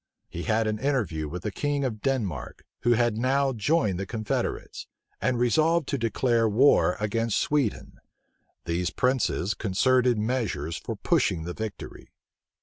He had an interview with the king of Denmark, who had now joined the confederates, and resolved to declare war against Sweden. These princes concerted measures for pushing the victory.